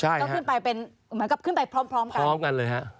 เหมือนกับขึ้นไปพร้อมกันพร้อมกันเลยฮะ